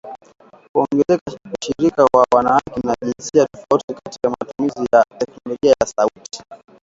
Kuongeza ushirika wa wanawake na jinsia tofauti katika matumizi ya teknolojia ya sauti.